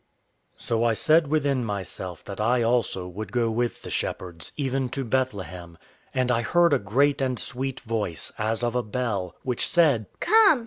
So I said within myself that I also would go with the shepherds, even to Bethlehem. And I heard a great and sweet voice, as of a bell, which said, "Come!"